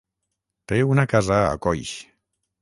Té una casa a Coix.